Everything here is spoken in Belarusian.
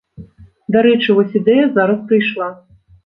Дарэчы, вось ідэя зараз прыйшла.